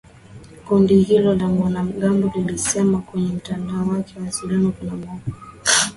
Kundi hilo la wanamgambo lilisema kwenye mtandao wake wa mawasiliano kuwa hawatojisalimisha.